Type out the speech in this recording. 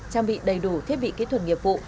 trang bị đầy đủ thiết bị kỹ thuật nghiệp vụ